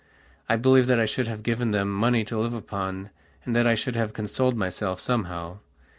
I believe that I should have given them money to live upon and that I should have consoled myself somehow.